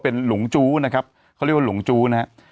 เป็นหลงจู้นะครับเขาเรียกว่าหลงจู้นะฮะ